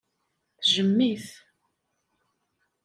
Tejjem-it.